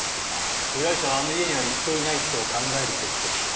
被害者はあの家には行っていないと考えるべきでしょう。